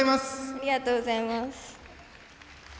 ありがとうございます。